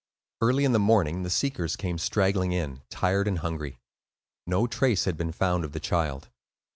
Early in the morning the seekers came straggling in, tired and hungry; no trace had been found of the child.